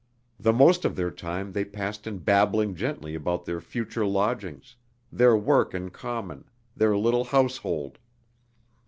The most of their time they passed in babbling gently about their future lodgings, their work in common, their little household.